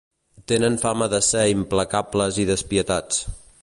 Tenen fama de ser implacables i despietats.